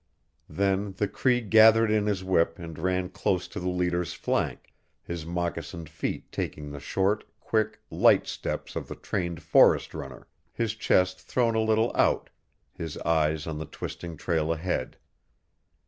Then the Cree gathered in his whip and ran close to the leader's flank, his moccasined feet taking the short, quick, light steps of the trained forest runner, his chest thrown a little out, his eyes on the twisting trail ahead.